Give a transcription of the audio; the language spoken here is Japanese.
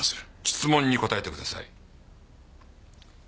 質問に答えてください。